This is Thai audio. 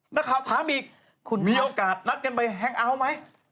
นักข่าวถามอีกมีโอกาสนัดกันไปแฮงเอาท์ไหม